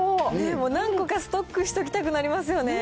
何個かストックしておきたくなりますよね。